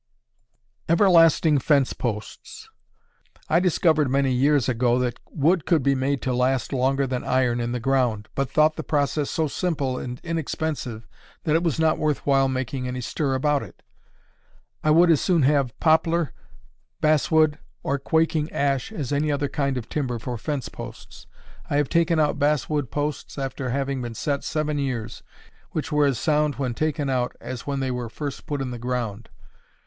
Everlasting Fence Posts. I discovered many years ago that wood could be made to last longer than iron in the ground, but thought the process so simple and inexpensive that it was not worth while making any stir about it. I would as soon have poplar, basswood, or quaking ash as any other kind of timber for fence posts. I have taken out basswood posts after having been set seven years, which were as sound when taken out as when they were first put in the ground.